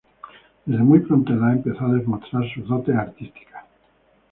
Desde muy pronta edad empezó a demostrar sus dotes artísticos.